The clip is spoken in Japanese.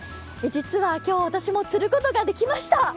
実は今日、私も釣ることができました。